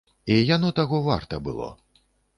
І яно таго варта было.